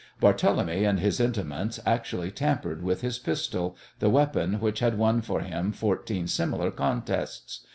Barthélemy and his intimates actually tampered with his pistol, the weapon which had won for him fourteen similar contests.